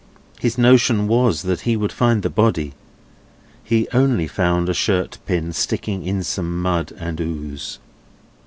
His notion was, that he would find the body; he only found a shirt pin sticking in some mud and ooze.